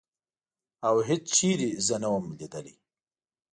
او هېڅ چېرې زه نه وم لیدلې.